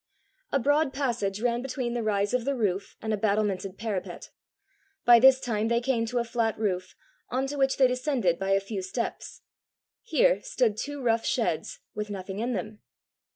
A broad passage ran between the rise of the roof and a battlemented parapet. By this time they came to a flat roof, on to which they descended by a few steps. Here stood two rough sheds, with nothing in them.